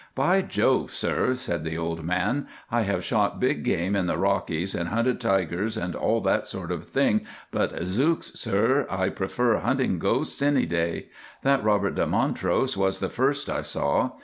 "By Jove, sir," said the old man, "I have shot big game in the Rockies, and hunted tigers and all that sort of thing; but, zooks! sir, I prefer hunting ghosts any day. That Robert de Montrose was the first I saw.